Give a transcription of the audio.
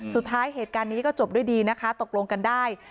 สุดท้ายเหตุการณ์นี้ก็จบด้วยดีนะคะตกลงกันได้